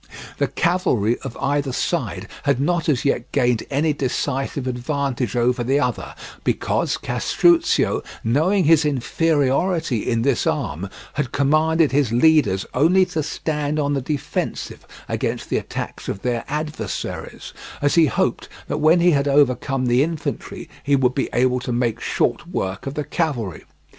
The cavalry of either side had not as yet gained any decisive advantage over the other, because Castruccio, knowing his inferiority in this arm, had commanded his leaders only to stand on the defensive against the attacks of their adversaries, as he hoped that when he had overcome the infantry he would be able to make short work of the cavalry.